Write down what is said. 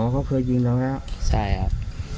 เขาเคยยิงแล้วนะครับใช่ครับ